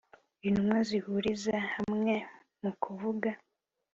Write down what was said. intumwa zihuriza hamwe mu kuvuga